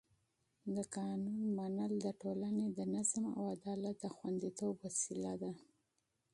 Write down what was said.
د قانون اطاعت د ټولنې د نظم او عدالت د خونديتوب وسیله ده